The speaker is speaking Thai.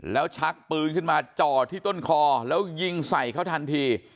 แล้วชักปืนขึ้นมาจ่อที่ต้นคอแล้วยิงใส่เขาทันที